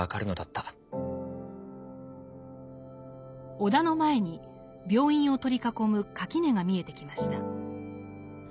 尾田の前に病院を取り囲む垣根が見えてきました。